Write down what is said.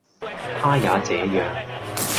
他也這樣。